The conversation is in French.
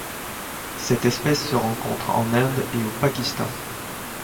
Cette espèce se rencontre en Inde et au Pakistan.